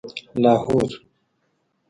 لاهور